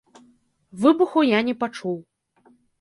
Выбуху я не пачуў.